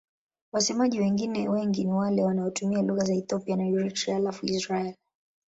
Wasemaji wengine wengi ni wale wanaotumia lugha za Ethiopia na Eritrea halafu Israel.